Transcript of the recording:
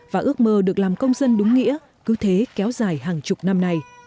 và ước mơ được làm công dân đúng nghĩa cứ thế kéo dài hàng chục năm nay